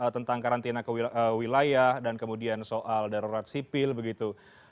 tentang karantina wilayah dan kemudian soal darurat sipil begitu